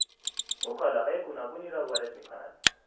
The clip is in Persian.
او کالاهای گوناگونی را وارد میکند.